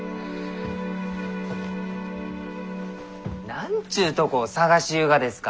何ちゅうとこを捜しゆうがですか？